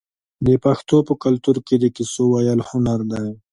د پښتنو په کلتور کې د کیسو ویل هنر دی.